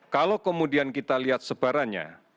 kalau kemudian kita lihat sebarannya